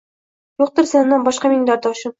Yo‘qdir sendan boshqa mening darddoshim…